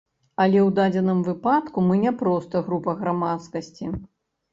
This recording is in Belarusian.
Але ў дадзеным выпадку мы не проста група грамадскасці.